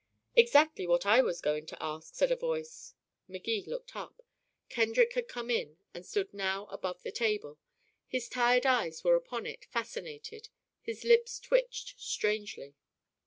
"Exactly what I was going to ask," said a voice. Magee looked up. Kendrick had come in, and stood now above the table. His tired eyes were upon it, fascinated; his lips twitched strangely.